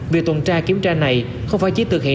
việc tuần tra kiểm tra này không phải chỉ thực hiện